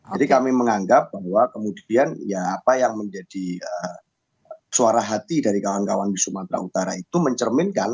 jadi kami menganggap bahwa kemudian ya apa yang menjadi suara hati dari kawan kawan di sumatera utara itu mencerminkan